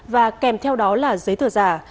và kèm theo đó là giấy tờ giả